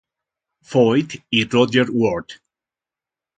Foyt y Rodger Ward.